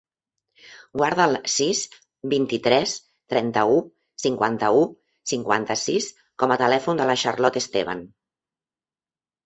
Guarda el sis, vint-i-tres, trenta-u, cinquanta-u, cinquanta-sis com a telèfon de la Charlotte Esteban.